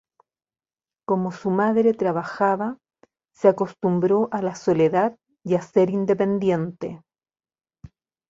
Como su madre trabajaba, se acostumbró a la soledad y a ser independiente.